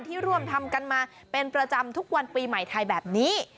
ร่วมทำกันมาเป็นประจำทุกวันปีใหม่ไทยแบบนี้